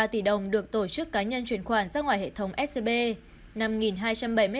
ba mươi ba tỷ đồng được tổ chức cá nhân truyền khoản ra ngoài hệ thống scb